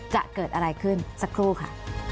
จะเกิดอะไรขึ้นสักครู่ค่ะ